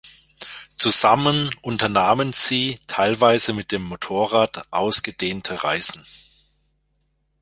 Zusammen unternahmen sie, teilweise mit dem Motorrad, ausgedehnte Reisen.